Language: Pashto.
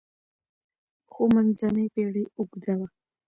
خو منځنۍ پېړۍ اوږده وه.